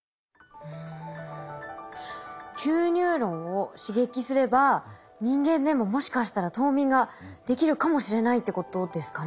Ｑニューロンを刺激すれば人間でももしかしたら冬眠ができるかもしれないってことですかね？